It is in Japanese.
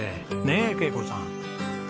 ねえ恵子さん。